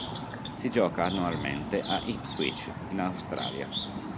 Si gioca annualmente a Ipswich in Australia.